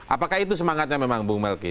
apakah itu semangatnya memang bung melky